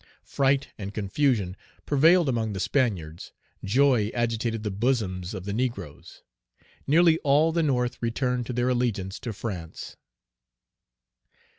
Fright and confusion prevailed among the Spaniards. Joy agitated the bosoms of the negroes. Nearly all the North returned to their allegiance to France.